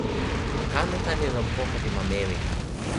ma Kanata li lon poka pi ma Mewika.